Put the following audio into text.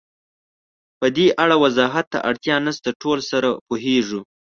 پدې اړه وضاحت ته اړتیا نشته، ټول سره پوهېږو.